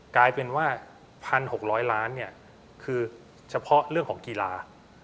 กลายเป็นว่า๑๖๐๐ล้านคือเฉพาะเรื่องของกีฬา